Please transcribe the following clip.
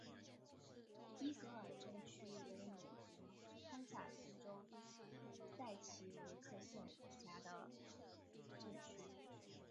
伊格尔镇区为美国堪萨斯州塞奇威克县辖下的镇区。